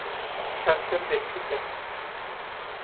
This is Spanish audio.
Cáncer de útero